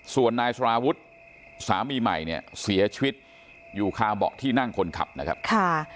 ส่วนนายสารวุฒิสามีใหม่เนี่ยเสียชีวิตอยู่คาเบาะที่นั่งคนขับนะครับค่ะ